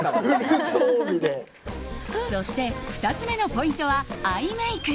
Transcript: そして、２つ目のポイントはアイメイク。